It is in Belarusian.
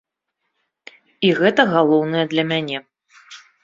І гэта галоўнае для мяне.